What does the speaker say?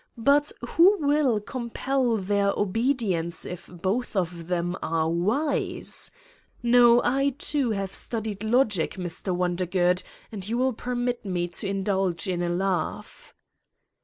But who will compel their obedience if both of them are wise? No, I, too, have studied logic, Mr. Wondergood and you will permit me to in dulge in a laugh!"